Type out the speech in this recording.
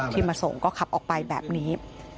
มาส่งก็ขับออกไปแบบนี้